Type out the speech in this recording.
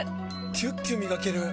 キュッキュ磨ける！